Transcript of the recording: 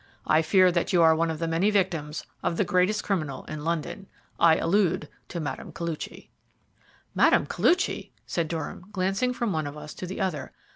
I fear that you are one of the many victims of the greatest criminal in London. I allude to Mme. Koluchy." "Mme. Koluchy!" said Durham, glancing from one of us to the other.